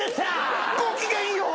ごきげんよう！